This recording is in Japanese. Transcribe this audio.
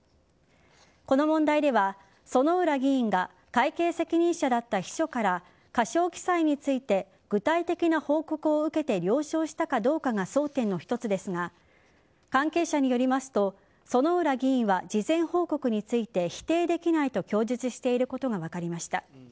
この問題では、薗浦議員が会計責任者だった秘書から過少記載について具体的な報告を受けて、了承したかどうかが争点の一つですが関係者によりますと薗浦議員は事前報告について否定できないと供述していることが分かりました。